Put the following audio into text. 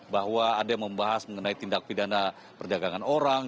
bahwa ada yang membahas mengenai tindak pidana perdagangan orang